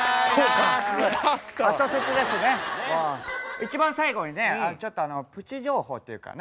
一番最後にねちょっとプチ情報っていうかね。